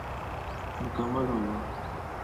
مکمل ہو گا۔